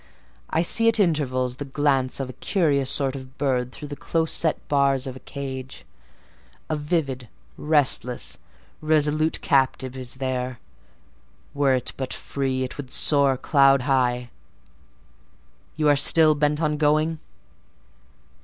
I see at intervals the glance of a curious sort of bird through the close set bars of a cage: a vivid, restless, resolute captive is there; were it but free, it would soar cloud high. You are still bent on going?"